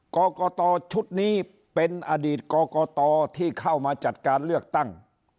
กรกตชุดนี้เป็นอดีตกรกตที่เข้ามาจัดการเลือกตั้ง